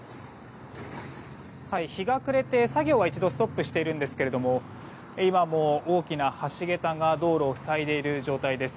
日が暮れて、作業は一度ストップしているんですが今も大きな橋桁が道路を塞いでいる状態です。